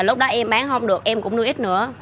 lúc đó em bán không được em cũng mua ít nữa